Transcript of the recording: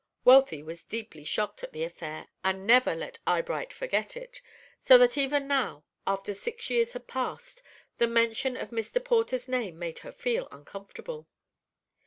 Wealthy was deeply shocked at the affair, and never let Eyebright forget it, so that even now, after six years had passed, the mention of Mr. Porter's name made her feel uncomfortable.